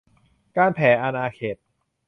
การแผ่อาณาเขต